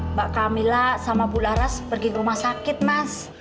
mbak kamila sama bularas pergi ke rumah sakit mas